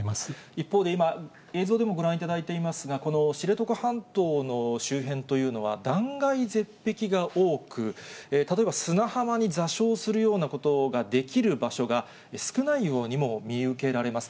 一方で今、映像でもご覧いただいていますが、この知床半島の周辺というのは、断崖絶壁が多く、例えば砂浜に座礁するようなことができる場所が少ないようにも見受けられます。